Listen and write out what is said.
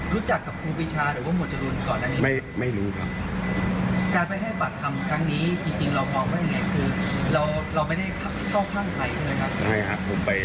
รู้จักกับครูพิชาหรือว่าหมดจรุนก่อนอันนี้